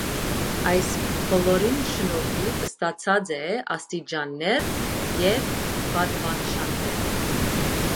Այս բոլորին շնորհիւ ստացած է աստիճաններ եւ պատուանշաններ։